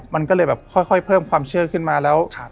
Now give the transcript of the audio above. มันก็เลยแบบค่อยเพิ่มความเชื่อขึ้นมาแล้ว